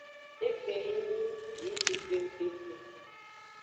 Egbe yi nyi yi jigbengkeke.